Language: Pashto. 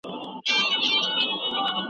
که زده کوونکی ورټل سي نو کینه اخلي.